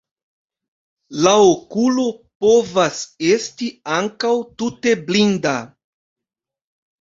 La okulo povas esti ankaŭ tute blinda.